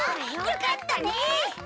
よかったね！